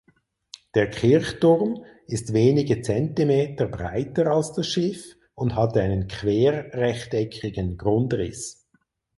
Der Kirchturm ist wenige Zentimeter breiter als das Schiff und hat einen querrechteckigen Grundriss.